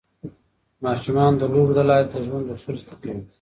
ماشومان د لوبو له لارې د ژوند اصول زده کوي.